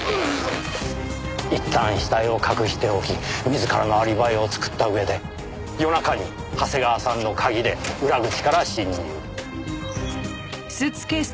いったん死体を隠しておき自らのアリバイを作った上で夜中に長谷川さんの鍵で裏口から侵入。